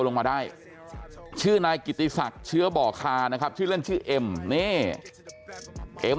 ลงมาได้ชื่อนายกิติศักดิ์เชื้อบ่อคานะครับชื่อเล่นชื่อเอ็มนี่เอ็ม